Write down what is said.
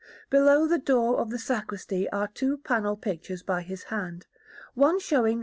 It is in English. Below the door of the sacristy are two panel pictures by his hand; one showing S.